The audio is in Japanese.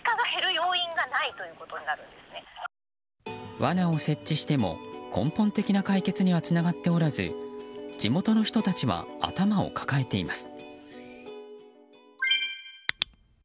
わなを設置しても根本的な解決にはつながっておらず地元の人たちは頭を抱えています。